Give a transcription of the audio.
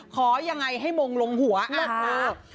ขอยังไงให้มงลงหัวอ่ะค่ะ